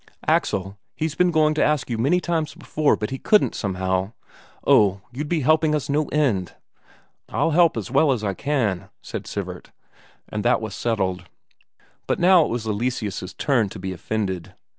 Axel, he's been going to ask you a many times before, but he couldn't, somehow. Oh, you'd be helping us no end!" "I'll help as well as I can," said Sivert. And that was settled. But now it was Eleseus' turn to be offended.